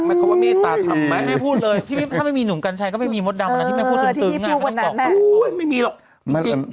อื้ออจิไม่มี